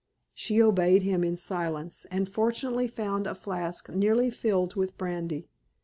She obeyed him in silence, and fortunately found a flask nearly filled with brandy.